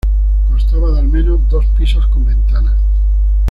Constaba de al menos dos pisos con ventanas.